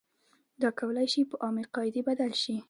دا کولای شي په عامې قاعدې بدل شي.